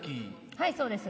はいそうです。